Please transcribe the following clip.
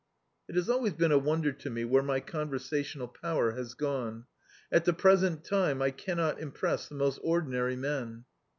It has always been a wonder to me where my omversational power has gone : at the present time I cannot impress the most ordinary men.